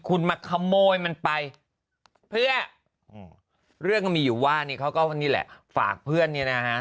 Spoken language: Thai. คุณมาขโมยมันไปเพื่อเรื่องก็มีอยู่ว่านี่เขาก็นี่แหละฝากเพื่อนเนี่ยนะฮะ